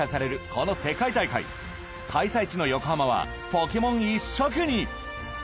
この世界大会開催地の横浜はポケモン一色に！